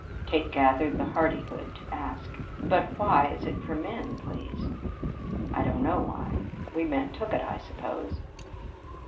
Kate gathered the hardihood to ask: "But why is it for men, please?" "I don't know why. We men took it, I suppose."